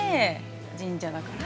神社だから。